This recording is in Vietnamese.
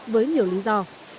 với nhiều lý do